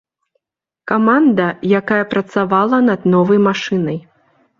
Каманда, якая працавала над новай машынай.